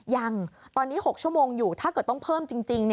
ยังตอนนี้๖ชั่วโมงอยู่ถ้าเกิดต้องเพิ่มจริง